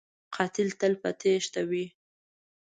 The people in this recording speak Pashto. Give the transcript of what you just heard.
قاتل تل په تیښته وي